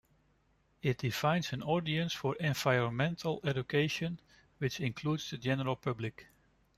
It defines an audience for environmental education, which includes the general public.